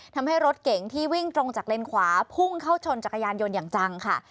ทำให้รถเก๋งที่วิ่งตรงจากเลนขวาพุ่งเข้าชนจักรยานยนต์อย่างจังค่ะ